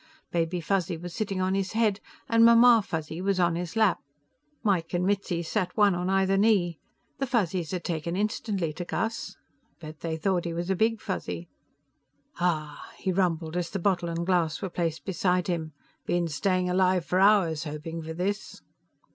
Baby Fuzzy was sitting on his head, and Mamma Fuzzy was on his lap. Mike and Mitzi sat one on either knee. The Fuzzies had taken instantly to Gus. Bet they thought he was a Big Fuzzy. "Aaaah!" he rumbled, as the bottle and glass were placed beside him. "Been staying alive for hours hoping for this."